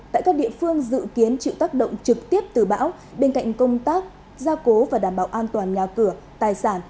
tại các địa phương dự kiến chịu tác động trực tiếp từ bão bên cạnh công tác gia cố và đảm bảo an toàn nhà cửa tài sản